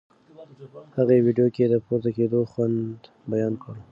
هغې ویډیو کې د پورته کېدو خوند بیان کړ.